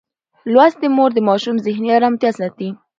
لوستې مور د ماشوم ذهني ارامتیا ساتي.